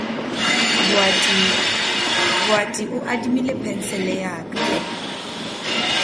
Boati o adimile phensele ya ka.